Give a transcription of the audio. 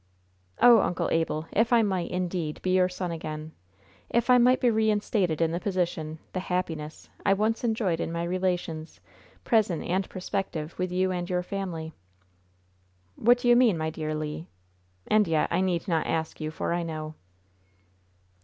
"Oh, Uncle Abel, if I might, indeed, be your son again! If I might be reinstated in the position, the happiness, I once enjoyed in my relations, present and prospective, with you and your family!" "What do you mean, my dear Le? And yet I need not ask you, for I know."